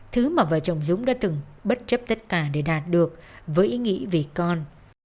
thứ mà vợ chồng dũng đã từng bất chấp tất cả để đạt được với ý nghĩ về con